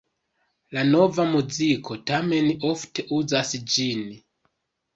La Nova muziko tamen ofte uzas ĝin.